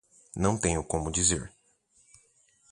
Não tenho como dizer